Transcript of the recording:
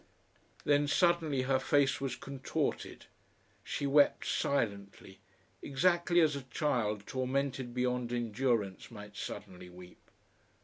Then suddenly her face was contorted, she wept silently, exactly as a child tormented beyond endurance might suddenly weep....